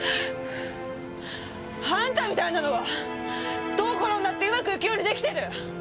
あんたみたいなのはどう転んだってうまくいくように出来てる。